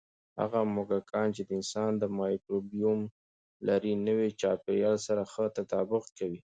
هغه موږکان چې د انسان مایکروبیوم لري، نوي چاپېریال سره ښه تطابق کوي.